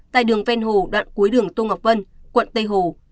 tại đường ven hồ đoạn cuối đường tô ngọc vân quận tây hồ